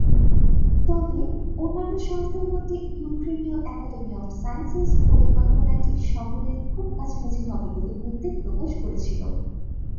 তবে অন্যান্য সংস্থার মধ্যে ইউক্রেনিয় একাডেমি অব সায়েন্সেস, পরিকল্পনাটি শহরের খুব কাছাকাছি হবে বলে উদ্বেগ প্রকাশ করেছিল।